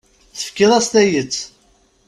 Tefkiḍ-as tayet.